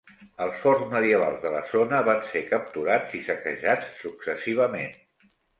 Els forts medievals de la zona van ser capturats i saquejats successivament.